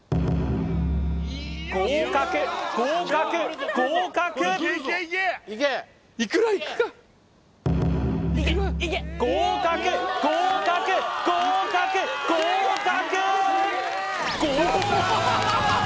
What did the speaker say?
合格合格合格合格合格合格合格！